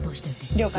了解。